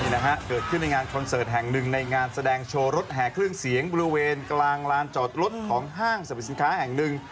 นี่นะฮะเกิดขึ้นในงานคอนเสิร์ตแห่งหนึ่งในงานแสดงโชว์รถแห่เครื่องเสียงบริเวณกลางลานจอดรถของห้างสรรพสินค้าแห่งหนึ่ง